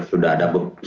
sudah ada beberapa